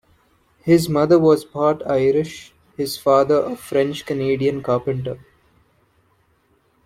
His mother was part Irish, his father a French Canadian carpenter.